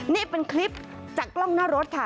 นี่เป็นคลิปจากกล้องหน้ารถค่ะ